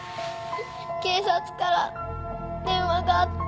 警察から電話があって